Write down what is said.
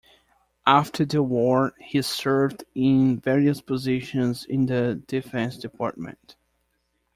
After the War, he served in various positions in the Defense Department.